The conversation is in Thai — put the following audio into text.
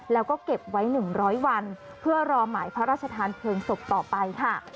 แล้วก็เก็บไว้๑๐๐วันเพื่อรอหมายพระราชทานเพลิงศพต่อไปค่ะ